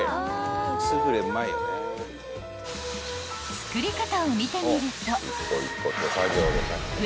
［作り方を見てみると］